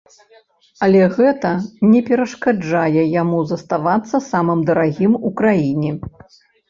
Але гэта не перашкаджае яму заставацца самым дарагім у краіне.